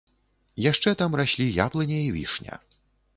Яшчэ там раслі яблыня і вішня.